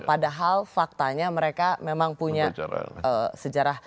padahal faktanya mereka memang punya sejarah